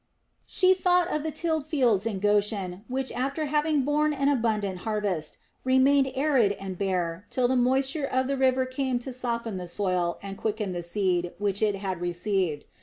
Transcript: She thought of the tilled fields in Goshen which, after having borne an abundant harvest, remained arid and bare till the moisture of the river came to soften the soil and quicken the seed which it had received.